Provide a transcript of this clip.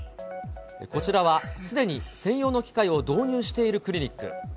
こちらは、すでに専用の機械を導入しているクリニック。